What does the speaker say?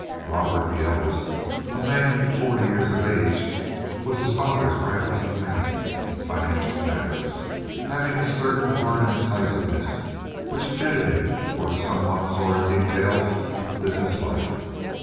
Robert, the eldest, a man forty years of age, was his father's right hand man in financial matters, having a certain hard incisiveness which fitted him for the somewhat sordid details of business life.